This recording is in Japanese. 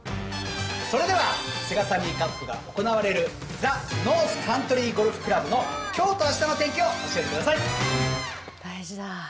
それでは、セガサミーカップが行われる、ザ・ノースカントリーゴルフクラブのきょうとあしたの天気を教え大事だ。